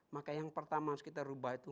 maka yang pertama harus kita rubah itu